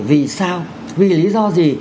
vì sao vì lý do gì